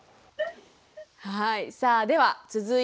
はい。